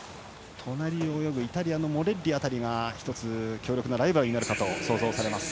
隣を泳ぐイタリアのモレッリ辺りが１つ強力なライバルになるかと想像されます。